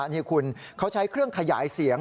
นี่คุณเขาใช้เครื่องขยายเสียง